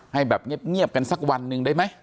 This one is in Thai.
ให้แบบเงียบกันสักวันหนึ่งได้ไหม